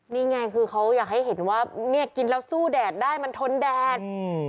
นี่ไงคือเขาอยากให้เห็นว่าเนี่ยกินแล้วสู้แดดได้มันทนแดด